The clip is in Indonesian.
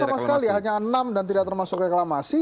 sama sekali hanya enam dan tidak termasuk reklamasi